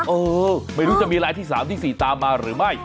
เออไม่รู้จะมีรายที่๓ที่๔ตามมาหรือไม่